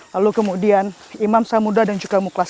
lalu kemudian imam samudra dan juga mukhlas